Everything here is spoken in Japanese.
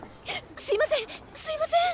すいませんすいません！